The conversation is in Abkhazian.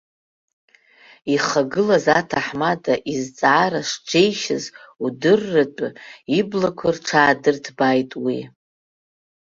Ихагылаз аҭаҳмада изҵаара шџьеишьаз удырратәы, иблақәа рҽаадырҭбааит уи.